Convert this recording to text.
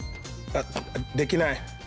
あっできない。